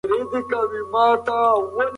آیا ستا ملګري هم زده کړې کوي؟